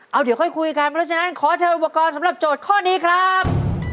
เอาเดี๋ยวค่อยคุยกันเพราะฉะนั้นขอเชิญอุปกรณ์สำหรับโจทย์ข้อนี้ครับ